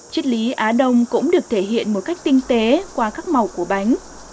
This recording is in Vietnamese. chất lý á đông cũng được thể hiện một cách tinh tế qua các màu của bánh